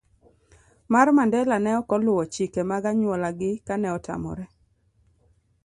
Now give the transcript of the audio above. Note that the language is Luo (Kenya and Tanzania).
C. mar Mandela ne ok oluwo chike mag anyuolagi kane otamore